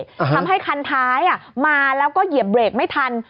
ทำให้คันท้ายมาแล้วก็เหยียบเบรกไม่ทัน